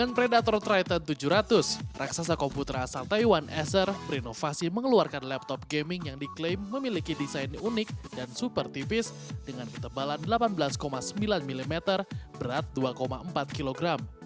sembilan predator triton tujuh ratus raksasa komputer asal taiwan eser berinovasi mengeluarkan laptop gaming yang diklaim memiliki desain unik dan super tipis dengan ketebalan delapan belas sembilan mm berat dua empat kg